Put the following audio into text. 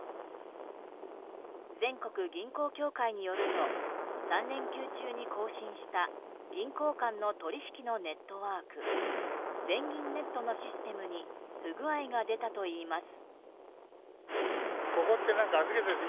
全国銀行協会によると３連休中に更新した銀行間の取引のネットワーク全銀ネットのシステムに不具合が出たといいます。